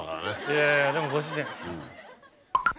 いやいやでもご主人。